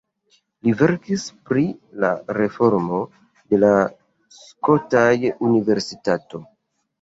Li verkis pri la reformo de la skotaj universitatoj.